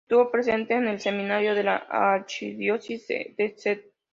Estuvo presente en el seminario de la Archidiócesis de St.